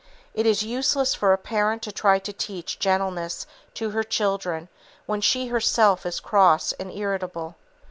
It is useless for a parent to try to teach gentleness to her children when she herself is cross and irritable.